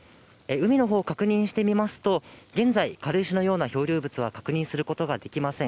海のほうを確認してみますと、現在、軽石のような漂流物は確認することができません。